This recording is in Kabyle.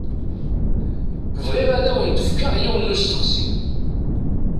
Bɣiɣ ad awen-d-fkeɣ yiwen n usteqsi.